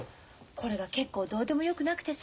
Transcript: これが結構どうでもよくなくてさ。